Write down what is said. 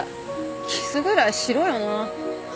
キスぐらいしろよな。